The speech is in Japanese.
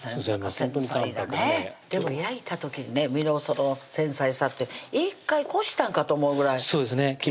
繊細なねでも焼いた時にね身の繊細さって１回こしたんかと思うぐらいそうですね